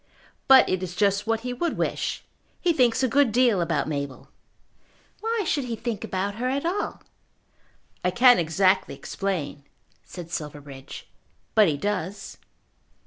"But it is just what he would wish. He thinks a good deal about Mabel." "Why should he think about her at all?" "I can't exactly explain," said Silverbridge, "but he does."